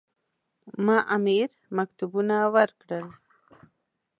ما امیر مکتوبونه ورکړل.